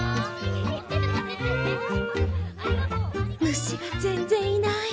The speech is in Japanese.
虫が全然いない。